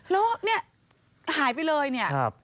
แล้วเนี่ยหายไปเลยเนี่ย